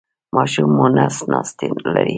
ماشوم مو نس ناستی لري؟